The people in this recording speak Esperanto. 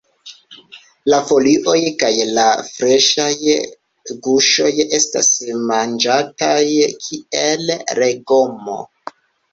La folioj kaj la freŝaj guŝoj estas manĝataj kiel legomo.